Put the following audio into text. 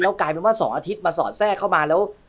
แล้วกลายเป็นว่า๒อาทิตย์มาสอดทรรษ์เข้ามา